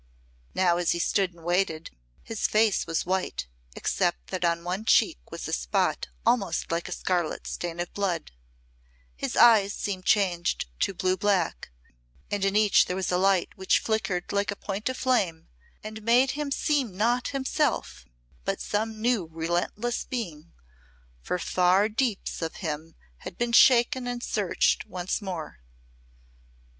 Now as he stood and waited, his face was white except that on one cheek was a spot almost like a scarlet stain of blood; his eyes seemed changed to blue black, and in each there was a light which flickered like a point of flame and made him seem not himself, but some new relentless being, for far deeps of him had been shaken and searched once more.